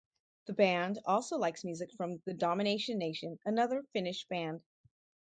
The band also likes music from The Domination Nation, another Finnish band.